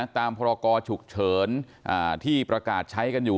พรกรฉุกเฉินที่ประกาศใช้กันอยู่